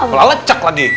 ula lecek lagi